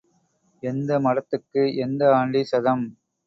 எந்த மடத்துக்கு எந்த ஆண்டி சதம்?